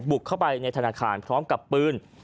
บุกเข้าไปในธนาคารพร้อมกับปืน